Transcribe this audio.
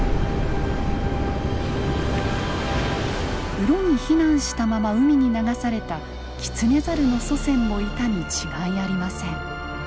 うろに避難したまま海に流されたキツネザルの祖先もいたに違いありません。